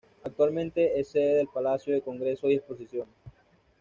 Actualmente es sede del Palacio de Congresos y Exposiciones.